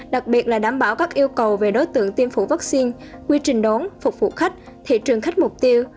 đặc biệt là đảm bảo các yêu cầu về đối tượng tiêm phổi vaccine quy trình đón phục vụ khách thị trường khách mục tiêu